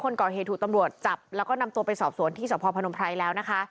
คนก่อเหตุถูกตำรวจจับแล้วก็นำตัวไปสอบสวนที่สพพนมไพรแล้วนะคะ